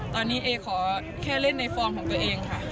ตอนนี้เอขอแค่เล่นในฟอร์มของตัวเองค่ะ